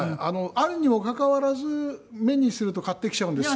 あるにもかかわらず目にすると買ってきちゃうんです